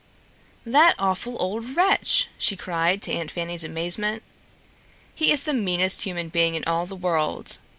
"That awful old wretch!" she cried, to Aunt Fanny's amazement. "He is the meanest human being in all the world.